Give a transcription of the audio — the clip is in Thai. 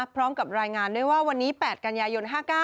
พร้อมกับรายงานด้วยว่าวันนี้๘กันยายน๕๙